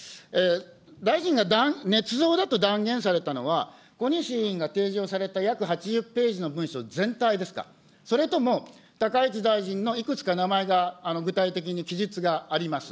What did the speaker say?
大臣がねつ造だと断言されたのは、小西委員が提示をされた約８０ページの文書全体ですか、それとも高市大臣のいくつか名前が具体的に記述があります。